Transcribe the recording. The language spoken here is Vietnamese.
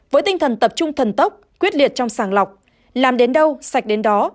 với tinh thần tập trung thần tốc quyết liệt trong sàng lọc làm đến đâu sạch đến đó